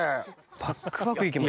パックパク行けます。